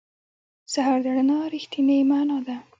سهار د رڼا رښتینې معنا ده.